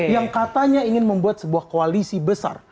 yang katanya ingin membuat sebuah koalisi besar